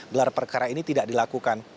gelar perkara ini tidak dilakukan